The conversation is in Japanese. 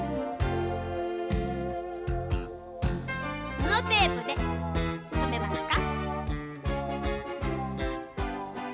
ぬのテープでとめますか。